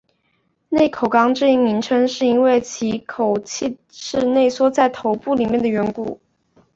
内口纲这一名称是因为其口器是内缩在头部里面的缘故。